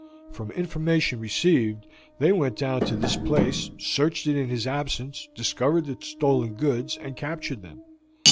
From information received, they went down to this place, searched it in his absence, discovered the stolen goods, and captured them.